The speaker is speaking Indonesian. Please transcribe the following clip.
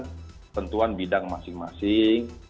kepentuan bidang masing masing